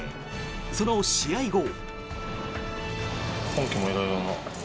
その試合後。